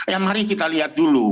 ya mari kita lihat dulu